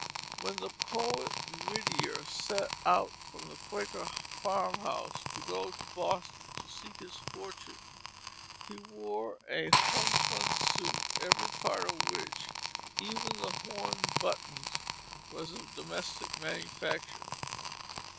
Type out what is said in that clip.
When the poet Whittier set out from the Quaker farmhouse to go to Boston to seek his fortune, he wore a homespun suit every part of which, even the horn buttons, was of domestic manufacture.